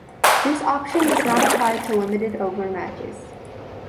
This option does not apply to limited overs matches.